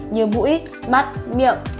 như mũi mắt miệng